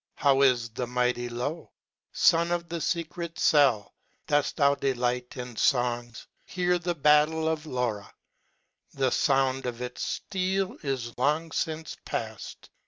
How is the mighty low ? Son of the fecret cell ! Doft thou delight in fongs ? Hear the battle of Lora. The found of its Heel is long fince paft.